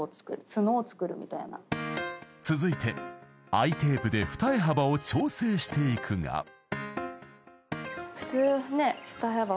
［続いてアイテープで二重幅を調整していくが］え！